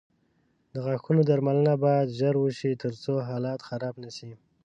د غاښونو درملنه باید ژر وشي، ترڅو حالت خراب نه شي.